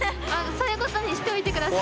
そういうことにしておいて下さい。